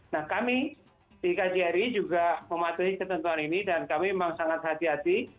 nah kami di kjri juga mematuhi ketentuan ini dan kami memang sangat hati hati